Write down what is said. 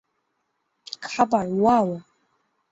খাবার - ওয়াও!